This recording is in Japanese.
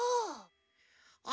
あ。